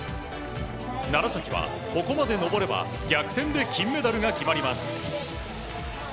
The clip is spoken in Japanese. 楢崎はここまで登れば逆転で金メダルが決まります。